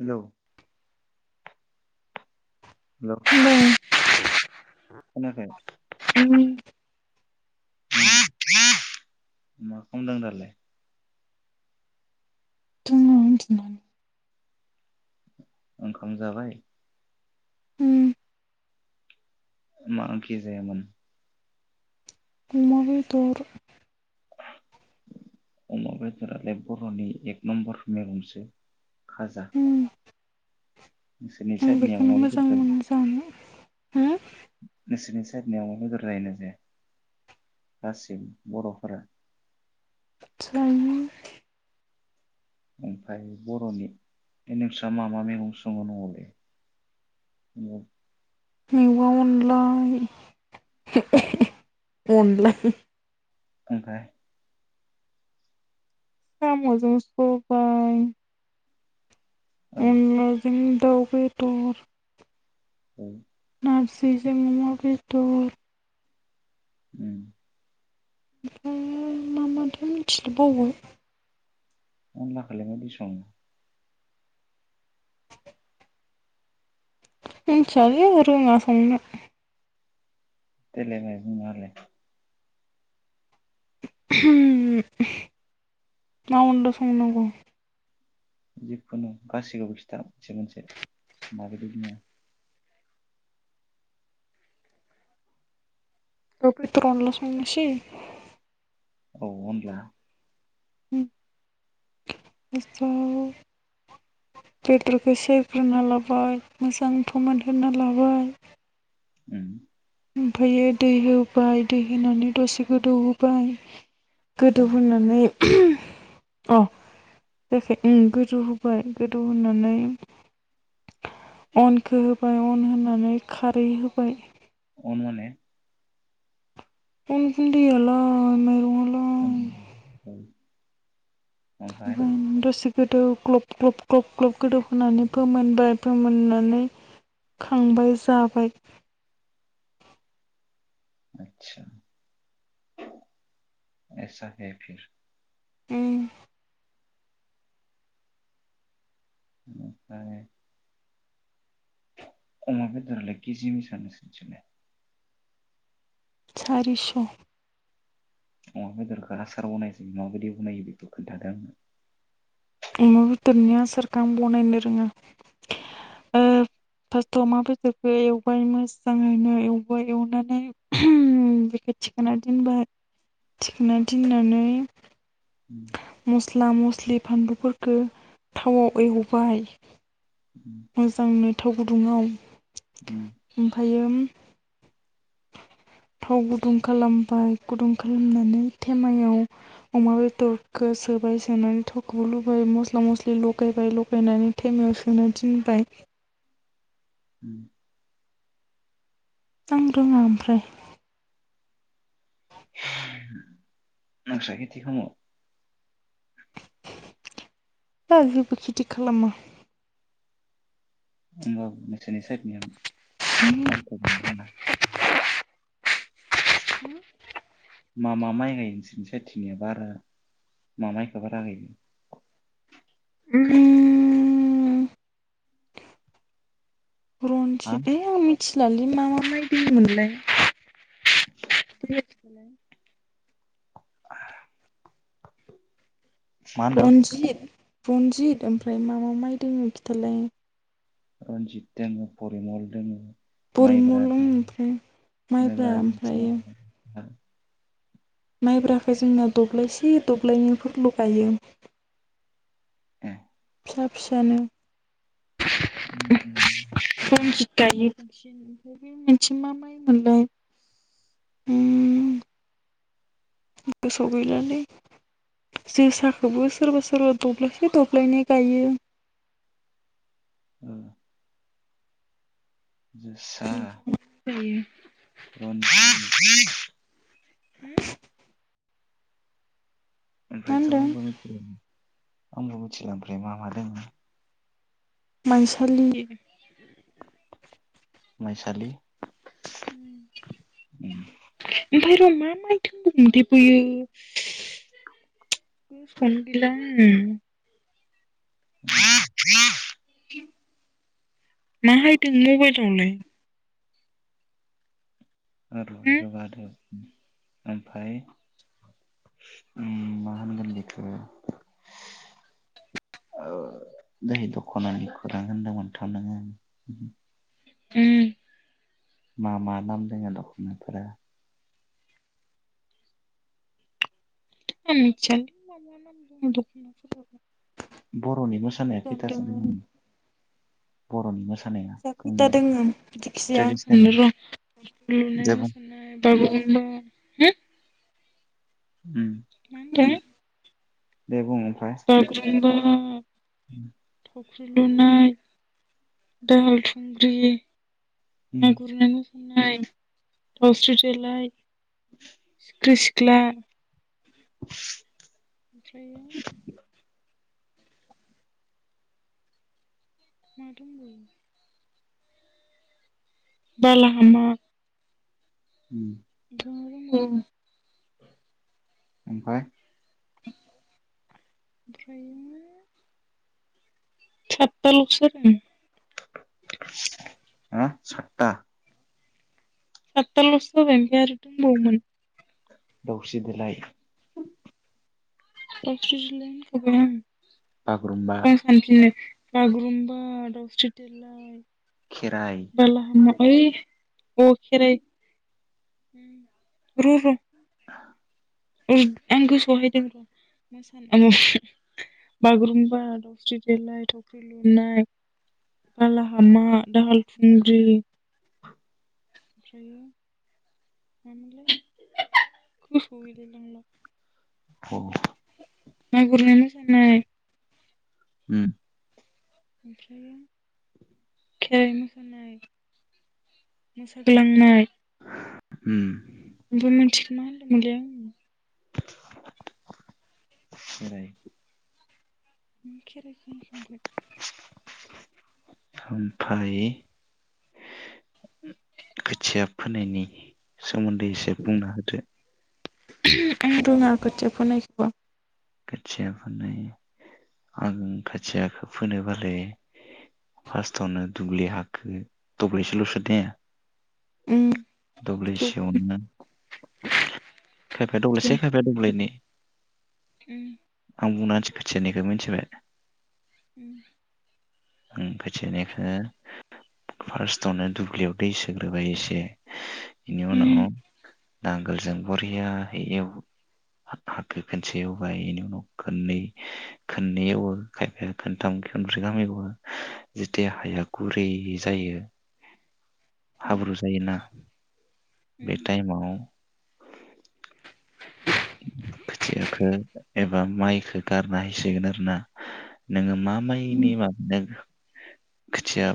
Hello [unintelligible] hello [inaudible] खोनायाखै उम उम, मा खामदों दालाय? उनदुनानै ओंखाम जाबाय? मा ओंखि जायामोन? अमा बेदर अमा बेदरालाय बर'नि एक नम्बर मेगंसो। खाजा नोंसोरनि आं साइडनि बेखोनो अमा मोजां बेदरखौ मोनो जानो होम साइद निया अमा बेदर जायोना जाया गासिबो बर'फोरा? जायो ओमफाय बर'नि ए नोंस्रा मा मा मेगं सङो न'आवलाय? मेवा अनलाय [unintelligible] अनला इ ओमफाय साम' जों सबाय औ अनला जों द दाव बेदर औ नारजै जों अमा बेदर उम ओमफाय मा मा थाय मिथिला बावबाय अनलाखोलाय मादि सङो? [inaudible] मिनथियालै आङो रोङा संनो देलायलाय बाय बुंना होलाय [unintelligible] मा अनदला संनांगौ? जिखुनु गासैखोबो खिथा मोनसे मोनसे माबायदि सङो? दाव बेदर अनला संनोसि औ अनला उम [unintelligible] बेदरखो इसे एवफ्रानना लाबाय मोजां फोमोनहोना लाबाय उम ओमफायो दै होबाय दै होनानै दसे गोदौ होबाय गोदौ औ होनानै [unintelligible] अ जायाखै ओम गोदौ होबाय गोदौ होनानै अनखो होबाय अन होनानै खारै होबाय अन माने अन गुनदैयालाय माइरं आ ओं औ [unintelligible] गोदौ ग्लब ग्लब ग्लब ग्लब गोदौ होनानै फोमोनबाय फोमोननानै खांबाय जाबाय आतसा एसा है फिर उम ओमफाय अमा बेदरालाय कि जि बेसां नोंसोरनिथिंलाय सारिस अमा बेदरखौ आसार बनायोजे माबायदि बनायो बेखौ खोन्थादों आंनो अमा बेदरनि आसारखौ आं बनायनो रोङा ओ फार्स्टआव अमा बेदरखौ एवबाय मोजाङैनो एवबाय एवनानै बेखौ थिखोना दोनबाय थिखोना दिननानै उम, मस्ला मस्लि फानलुफोरखौ थावआव एवबाय उम, मोजांनो थाव गुदुङाव उम फायो म थाव गुदुं खालामबाय गुदुं खालामनानै थेमायाव अमा बेदरखौ सोबाय सोनानै थावखौ लुबाय मस्ला मस्लि लगायबाय लगायनानै थेमायाव सोना दिनबाय [unintelligible] आं रोङा ओमफ्राय नोंंसा खिति खाम'? [unintelligible] खिथि खालामा [unintelligible] [unintelligible] मा मा माइ गायो नोंसोर नि साइथिनिया बारा मा माइखौ बारा गायो? [inaudible] हा रन्जित [unintelligible] आं मिथि [unintelligible] मा मा माय दोङोमोनलाय [unintelligible] मा होनदों रन्जित रनजित ओमफ्राय मा मा माइ दोंमोन खिथालाय? रनजित दोङो परिमल दोङो। माइब्रा परिमल ओमफ्राय माइब्रा [unintelligible] माइब्राखो जोंनाव दब्लायसे दब्लायनैफोरल' गायो। [unintelligible] फिसा फिसानो रनजित [unintelligible] [unintelligible] बे मोनसे मा माइ मोनलाय ओम गोसोआव गैलालै जोसाखौबो सोरबा सोरबा दब्लायसे दब्लायनै गायो। ओ जोसा जायो रन्जित होम ओमफ्रायथ [unintelligible] होनदों आंबो मिथिला ओमफ्राय मा दोंङो- माइसालि माइसालि उम [unintelligible] ओइ र मा माइ दंबावोमोनथाम बैयो गोसोआवनो गैला आङो [unintelligible] माहायदों मबाइलावलाय? हो [unintelligible] ओमफाय ओम मा होनगोन बेखो दहै दखनानि खौरां होनदोंमोन थ नोङो उम मा मा नाम दोङो दखनाफोरा? आं मिथियालि [inaudible] [inaudible] [unintelligible] बर'नि मोसानाया खैथासो दोंङो। मिथिया खैथा दोङो जिखिजाया ट्रेडिसनेला [inaudible] [inaudible] दे बुं मोसानाय बागुरुमबा। होम उम मा होनदो। दे बुं। ओमफ्राय बागुरुमबा [unintelligible] [inaudible] थावख्रि लुनाय दाहाल थुंग्रि उम ना गुरनाय मो नाय दावस्रि देलाय सिखृष ग्ला [unintelligible] ओमफ्रायो मा दंबावो। बाला हामा। उम मा दंबावो। ओमफाय ओमफ्रायो साततालसो जादो हा सातता। सातता लसो जाबाय ओमफाय आरो दंबावोमोन। दावस्रि देलाय दावस्रि देलाइ बागुरुम्बा होनखाबाय आं [unintelligible] बागुरुमबा दावस्रि देलाय खेराइ बालाहामा ओइ अ खेराइ [unintelligible] र र आं गोसोआवहाय दों [unintelligible] बागुरुम्बा दाउस्रि देलाय थावख्रि लुनाय बालाहामा दाहाल थुंग्रि ओमफ्रायो मामोनलाय गोसोआव गैलाय लांला [unintelligible] ना गुरनाय मोसानाय उम ओमफ्रायो खेराइ मोसानाय मोसाग्लांनाय उम ओमफ्राय मोनसेखौ मा होदोंमोनलाय आङो खेराय उम खेरायखौ होनखांबाय ओमफ्राय खोथिया फोनायनि सोमोन्दै एसे बुंना होदो आं रोङा खोथिया फोनायखोबा खोथिया फोनाय आं खाथियाखौ फोनो बालाय फार्स्टावनो दुब्लि हाखो दब्लायसेलसो दाया उम दब्लाइसेयावनो खायफाया दे दब्लायसे खायफाया दब्लायनै उम आं बुंनानै होन [unintelligible] मिनथिबाय उम उम खोथियानिखो फार्स्टावनो दुब्लियाव दै सोग्रोबाय एसे इनि उनाव उम नांगोलजों बरियाहै एव हाखो खोनसे एवबाय बेनि उनाव खोननै खोननै एवो खायफाया खनथाम खनब्रै गाहाम एवो जिथिया हाया गुरै जायो हाबरु जायो ना बे टाइमाव खोथियाखो एबा माइखो गारना होसिगोन आरो ना नोङो मा उम मायनि माबादों खोथिया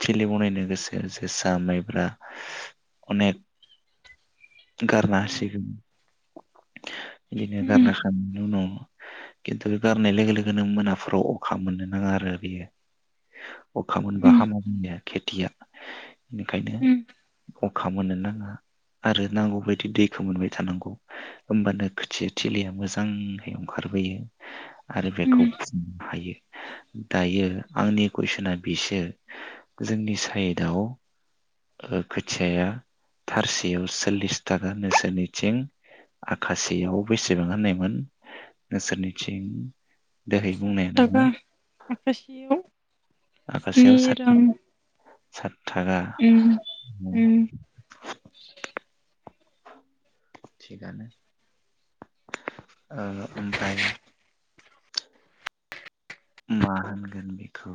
थिलि बनायनो गोसो जोसा माइब्रा अनेक गारना होसिगोन इदिनो उम गारना होखांनायनि उनाव खिन्थु बे गारनाय लोगो लोगोनो मोनाफोराव अखा मोननो नाङा आरो बियो अखा मोनबा हामा [unintelligible] खेथिया निखायनो उम अखा मोननो नाङा आरो नांगौबायायदि दैखौ मोनबाय थानांगौ होमबानो खोथिया थिलिया मोजांहै अंखारबोयो आरो बेखौ उम फिनो हायो दायो आंनि कुइसना बिसो जोंनि साइडआव खोथियाया थारसेयाव सल्लिस थाखा नोंसोरनिथिं आखासेयाव बेसेबां होननायमोन नोंसोरनिथिं दोहै साथ बुंनाया नोङो थाखाय आखासियाव स्नि रां साथ थाखा उम उम थिगानो ओ ओमफाय मा होनगोन बेखौ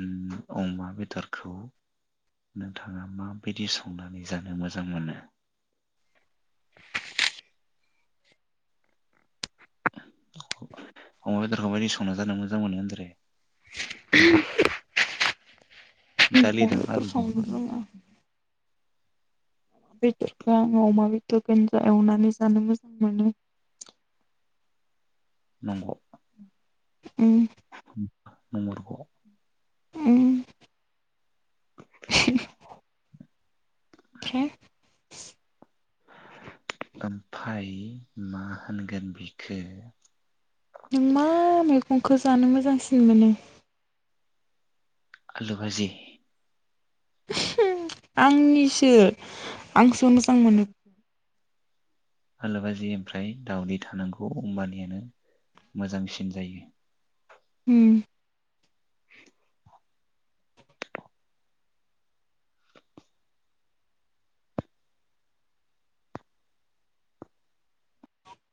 उम अमा बेदरखौ नोंथाङा माबायदि संनानै जानो मोजां मोनो अमा बेदरखौ माबायदि संना जानो मोजां मोनो होनदोरे दालि द फोर संनो रोंङा बेदरखौ आङो अमा बेदरखौ एवनानै जानो मोजां मोनो नंग उम नंमारग उम [inaudible] [inaudible] ओमफाय मा होनगोन बिखो? नों मा मैगंखौ जानो मोजांसिन मोनो? आलु बाजि आंनिसो आंसो मोजां मोनो हालु बाजि ओमफ्राय दावदै थानांगौ होमबानियानो मोजांसिन जायो उम